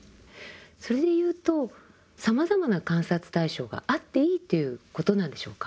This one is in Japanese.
それでいうとさまざまな観察対象があっていいということなんでしょうか？